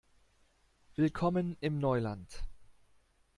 Willkommen im Neuland!